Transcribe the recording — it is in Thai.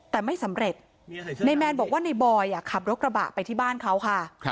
แต่ไม่สำเร็จนายแมนบอกว่าในบอยขับรถกระบะไปที่บ้านเขาค่ะ